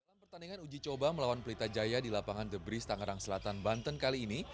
dalam pertandingan uji coba melawan pelita jaya di lapangan the bree tangerang selatan banten kali ini